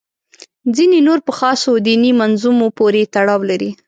ځینې نور په خاصو دیني منظومو پورې تړاو لري.